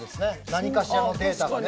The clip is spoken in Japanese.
何かしらのデータがね。